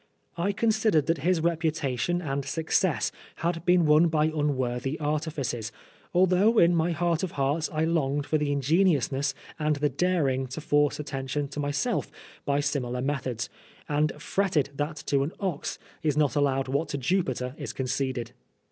I con sidered that his reputation and success had been won by unworthy artifices, although in my heart of hearts I longed for the ingeniousness and the daring to force atten tion to myself by similar methods, and fretted that to the ox is not allowed what to Jupiter is conceded.